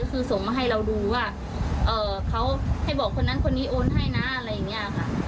คือส่งมาให้เราดูว่าเขาให้บอกคนนั้นคนนี้โอนให้นะอะไรอย่างนี้ค่ะ